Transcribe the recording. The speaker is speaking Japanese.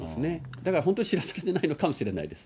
だから本当に知らせてないのかもしれないです。